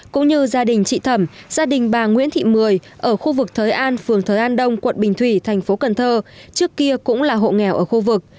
cũng như gia đình chị thẩm gia đình bà nguyễn thị mười ở khu vực thới an phường thới an đông quận bình thủy thành phố cần thơ trước kia cũng là hộ nghèo ở khu vực